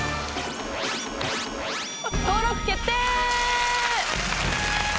登録決定！